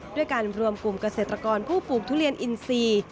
ด้วยการรวมกลุ่มเกษตรกรผู้ปลูกทุเรียนอินทรีย์